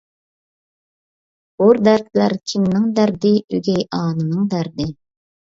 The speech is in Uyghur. بۇ دەردلەر كىمنىڭ دەردى؟ ئۆگەي ئانىنىڭ دەردى.